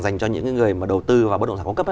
dành cho những người mà đầu tư vào bất động sản công cấp